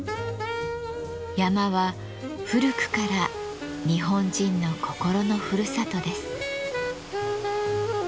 山は古くから日本人の心のふるさとです。